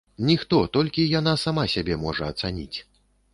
Ніхто, толькі яна сама сябе можа ацаніць.